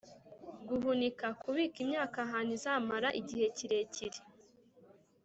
guhunika: kubika imyaka ahantu izamara igihe kirekire.